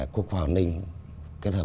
quốc hòa hồ ninh kết hợp